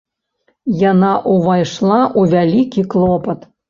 Яна ўвайшла ў вялікі клопат.